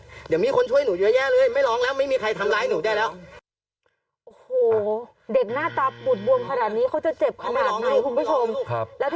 เดี๋ยวมีคนช่วยหนูเยอะแยะเลยไม่ร้องแล้วไม่มีใครทำร้ายหนูได้แล้ว